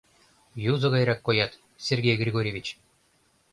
— Юзо гайрак коят, Сергей Григорьевич...